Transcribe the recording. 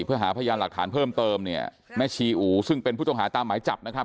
เพื่อหาพยานหลักฐานเพิ่มเติมเนี่ยแม่ชีอูซึ่งเป็นผู้ต้องหาตามหมายจับนะครับ